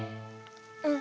うん。